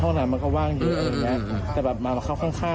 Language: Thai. ห้องน้ำมันก็ว่างอยู่ตรงนี้แต่แบบมาข้าง